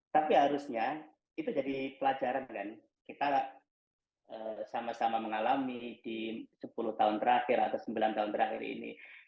tapi harusnya itu jadi pelajaran kan kita sama sama mengalami di sepuluh tahun terakhir atau sembilan tahun terakhir ini